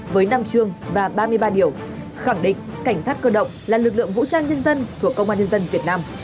với năm chương và ba mươi ba điều khẳng định cảnh sát cơ động là lực lượng vũ trang nhân dân thuộc công an nhân dân việt nam